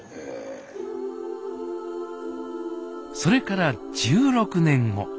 それから１６年後。